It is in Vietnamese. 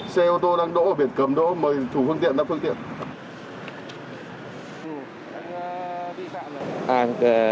xe ô tô đang đỗ biển cầm đỗ mời chủ phương tiện đặt phương tiện